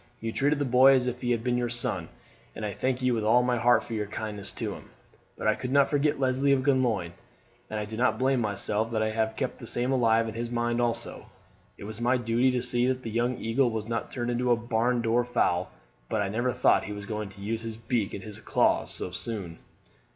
You treated the boy as if he had been your son, and I thank you with all my heart for your kindness to him; but I could not forget Leslie of Glenlyon, and I do not blame myself that I have kept the same alive in his mind also. It was my duty to see that the young eagle was not turned into a barn door fowl; but I never thought he was going to use his beak and his claws so soon."